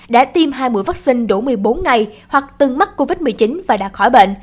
đã tiêm hai mũi vaccine đủ một mươi bốn ngày hoặc từng mắc covid một mươi chín và đã khỏi bệnh